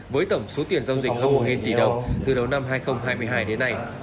với tổng số tiền giao dịch hơn một tỷ đồng từ đầu năm hai nghìn hai mươi hai đến nay